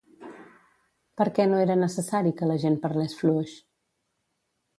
Per què no era necessari que la gent parlés fluix?